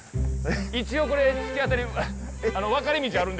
一応これ突き当たり分かれ道あるんですけど。